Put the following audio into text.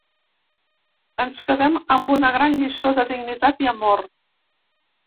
Ens quedem amb una gran lliçó de dignitat i amor.